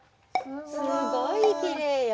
すごいきれいよ。